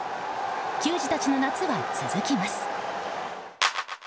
球児たちの夏は続きます。